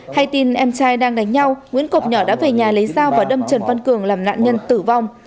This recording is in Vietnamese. hay tin em trai đang đánh nhau nguyễn cọc nhỏ đã về nhà lấy dao và đâm trần văn cường làm nạn nhân tử vong